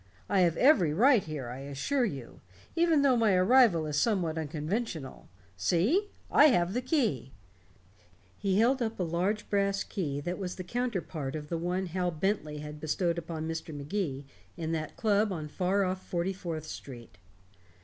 "I have every right here, I assure you, even though my arrival is somewhat unconventional. See I have the key." He held up a large brass key that was the counterpart of the one Hal Bentley had bestowed upon Mr. Magee in that club on far off Forty fourth Street.